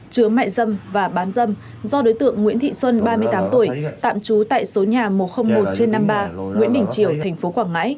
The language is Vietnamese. chứa mại dâm và bán dâm do đối tượng nguyễn thị xuân ba mươi tám tuổi tạm trú tại số nhà một trăm linh một trên năm mươi ba nguyễn đình triều thành phố quảng ngãi